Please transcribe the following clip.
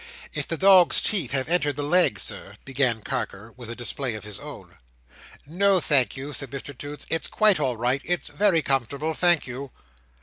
"If the dog's teeth have entered the leg, Sir—" began Carker, with a display of his own. "No, thank you," said Mr Toots, "it's all quite right. It's very comfortable, thank you."